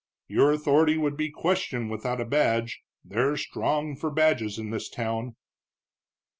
Your authority would be questioned without a badge, they're strong for badges in this town."